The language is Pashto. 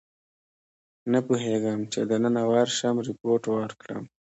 نه پوهېدم چې دننه ورشم ریپورټ ورکړم.